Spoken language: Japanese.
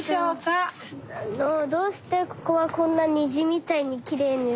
どうしてここはこんなにじみたいにきれいに？